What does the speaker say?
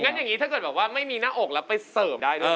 อย่างนี้ถ้าเกิดแบบว่าไม่มีหน้าอกแล้วไปเสิร์ฟได้ด้วย